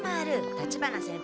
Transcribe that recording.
立花先輩。